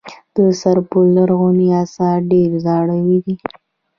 د سرپل لرغوني اثار ډیر زاړه دي